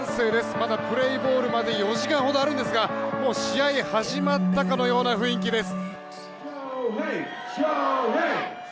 まだプレーボールまで４時間ほどあるんですがもう試合が始まったかのような雰囲気です。